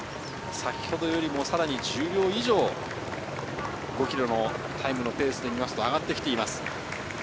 先ほどから１０秒以上、５ｋｍのタイムで見ますと、上がってきています。